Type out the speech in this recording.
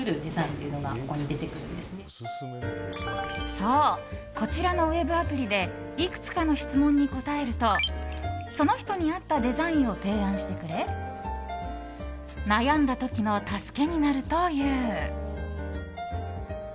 そう、こちらのウェブアプリでいくつかの質問に答えるとその人に合ったデザインを提案してくれ悩んだ時の助けになるという。